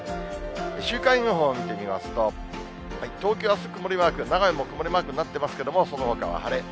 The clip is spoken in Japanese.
週間予報見てみますと、東京はあす曇りマーク、長野も曇りマークになっていますけれども、そのほかは晴れ。